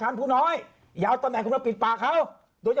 เหลือนาทีเดียว